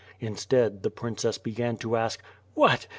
Instead the princess began to ask "What!